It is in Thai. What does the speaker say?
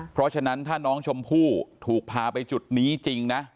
เพราะฉะนั้นถ้าน้องชมพู่ถูกพาไปจุดนี้จริงนะ